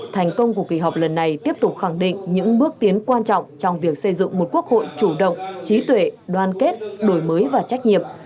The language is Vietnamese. thành công của kỳ họp lần này tiếp tục khẳng định những bước tiến quan trọng trong việc xây dựng một quốc hội chủ động trí tuệ đoàn kết đổi mới và trách nhiệm